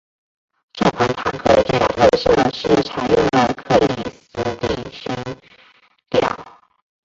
这款坦克的最大特色是采用了克里斯蒂悬吊。